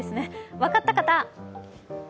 分かった方？